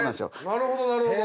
なるほどなるほど。